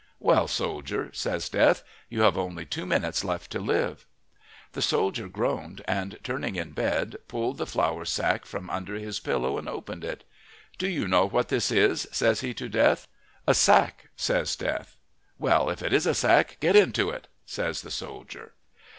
"Well, soldier," says Death, "you have only two minutes left to live!" The soldier groaned, and, turning in bed, pulled the flour sack from under his pillow and opened it. "Do you know what this is?" says he to Death. "A sack," says Death. "Well, if it is a sack, get into it!" says the soldier.